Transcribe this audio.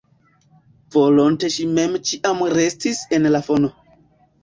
Volonte ŝi mem ĉiam restis en al fono.